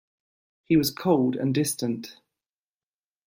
He was cold and distant.